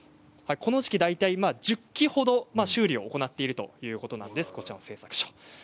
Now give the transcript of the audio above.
この時期、１０基ほど修理の作業を行っているということです。